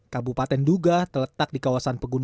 kabupaten duga terletak di kawasan pegunungan